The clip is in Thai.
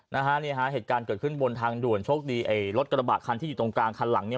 นะฮะเนี่ยฮะเหตุการณ์เกิดขึ้นบนทางด่วนโชคดีไอ้รถกระบะคันที่อยู่ตรงกลางคันหลังเนี่ย